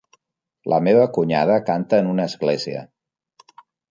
La meva cunyada canta en una església.